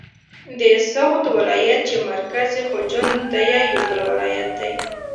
د سغد ولایت چې مرکز یې خجند دی یو بل ولایت دی.